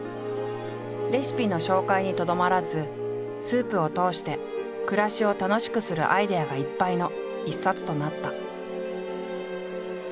レシピの紹介にとどまらずスープを通して暮らしを楽しくするアイデアがいっぱいの一冊となった。